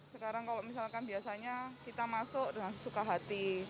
sekarang kalau misalkan biasanya kita masuk dengan sesuka hati